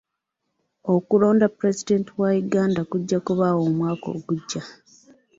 Okulonda pulezidenti wa Uganda kujja kubaawo omwaka ogujja.